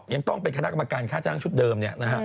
ยังต้องเป็นคณะกรรมการค่าจ้างชุดเดิม